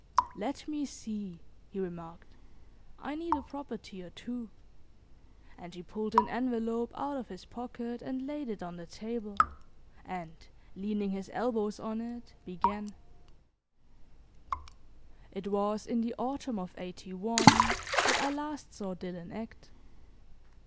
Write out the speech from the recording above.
"Let me see," he remarked. "I need a property or two," and he pulled an envelope out of his pocket and laid it on the table, and, leaning his elbows on it, began: It was in the Autumn of '81 that I last saw Dillon act.